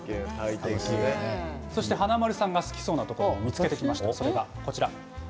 そして華丸さんが好きそうなところを見つけてきました。